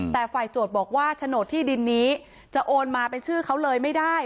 แต่ฝ่ายโจทย์บอกว่าโฉนดที่ดินนี้จะโอนมาเป็นชื่อเขาเลยไม่ได้